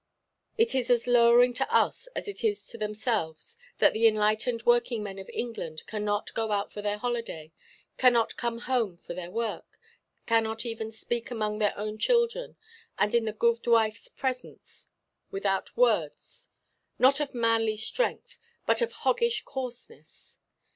It is as lowering to us as it is to themselves, that the "enlightened working–men of England" cannot go out for their holiday, cannot come home from their work, cannot even speak among their own children, and in the goodwifeʼs presence, without words, not of manly strength, but of hoggish coarseness.